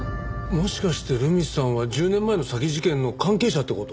もしかして留美さんは１０年前の詐欺事件の関係者って事？